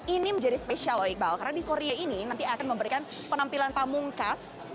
ini menjadi spesial loh iqbal karena di sore ini nanti akan memberikan penampilan pamungkas